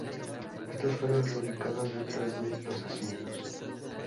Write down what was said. Estos fueron reubicados detrás de los asientos.